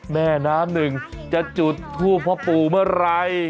แม่น้ำหนึ่งจะจุดทูปพ่อปู่เมื่อไหร่